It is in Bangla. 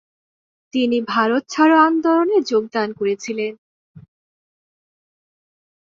তিনি ভারত ছাড়ো আন্দোলনে যোগদান করেছিলেন।